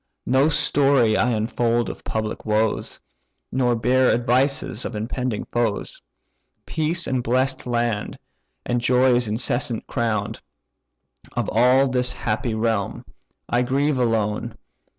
No story I unfold of public woes, Nor bear advices of impending foes: Peace the blest land, and joys incessant crown: Of all this happy realm, I grieve alone.